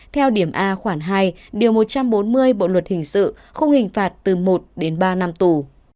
theo điểm a khoảng hai điều một trăm bốn mươi bộ luật hình sự không hình phạt từ một đến ba năm tù